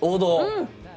うん。